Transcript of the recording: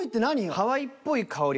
ハワイっぽい香り？